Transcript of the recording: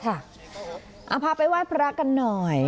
เอาพาไปไหว้พระกันหน่อย